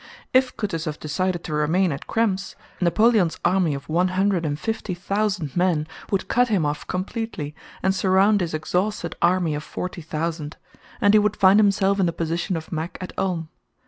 If Kutúzov decided to remain at Krems, Napoleon's army of one hundred and fifty thousand men would cut him off completely and surround his exhausted army of forty thousand, and he would find himself in the position of Mack at Ulm.